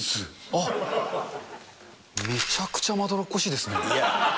あっ、めちゃくちゃまどろっこしいですね。